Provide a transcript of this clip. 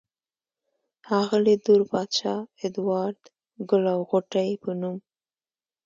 ښاغلي دور بادشاه ادوار د " ګل او غوټۍ" پۀ نوم